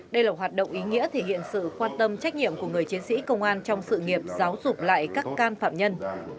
đây là hoạt động ý nghĩa thể hiện sự quan tâm trách nhiệm của người chiến sĩ công an trong sự nghiệp giáo dục lại các can phạm nhân